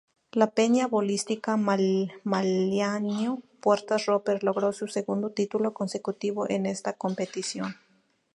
La Peña Bolística Maliaño-Puertas Roper logró su segundo título consecutivo en esta competición.